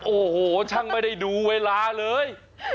โอ้โหช่างไม่ได้ดูเวลาเลย